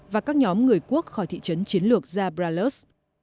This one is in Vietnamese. và các nhóm người quốc khỏi thị trấn chiến lược zabralus